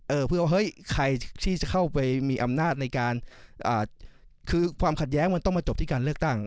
เออเพื่อว่าเฮ้ยใครที่จะเข้าไปมีอำนาจในการอ่าคือความขัดแย้งมันต้องมาจบที่การเลือกตั้ง